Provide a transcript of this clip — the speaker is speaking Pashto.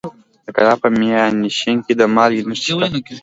د کندهار په میانشین کې د مالګې نښې شته.